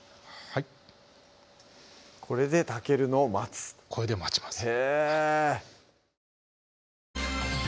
これで炊けるのを待つこれで待ちます